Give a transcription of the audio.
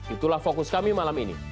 itulah fokus kami malam ini